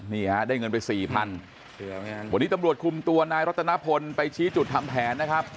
๔พันวันนี้ตำรวจคุมตัวนายรัฐณพลไปชี้จุดทำแผนนะครับ